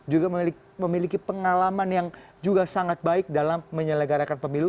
juga memiliki pengalaman yang juga sangat baik dalam menyelenggarakan pemilu